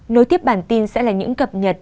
nối tiếp bản tin sẽ là những cập nhật